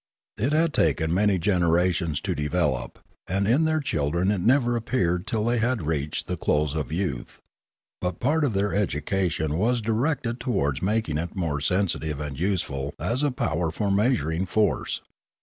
It had taken many generations to develop, and in their children it never appeared till they had reached the close of youth; but part of their education was directed towards making it more sensi tive and useful as a power for measuring force.